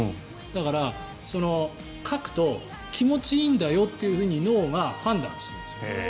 だからかくと気持ちいいんだよと脳が判断しているんです。